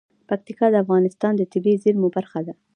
پکتیکا د افغانستان د طبیعي زیرمو برخه ده.